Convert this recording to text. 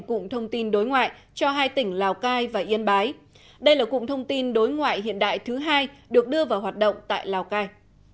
cụm thông tin đối ngoại cho hai tỉnh lào cai và yên bái đây là cụm thông tin đối ngoại hiện đại thứ hai được đưa vào hoạt động tại lào cai